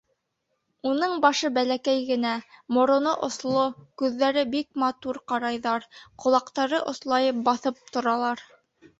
Уның башы бәләкәй генә, мороно осло, күҙҙәре бик матур ҡарайҙар, ҡолаҡтары ослайып баҫып торалар.